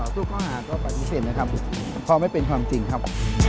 ทุกเข้าหาปฏิเสธพอไม่เป็นความจริงครับ